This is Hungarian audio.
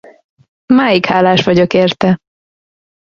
Máig hálás vagyok érte!